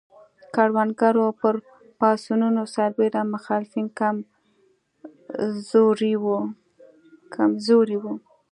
کروندګرو پر پاڅونونو سربېره مخالفین کم زوري وو.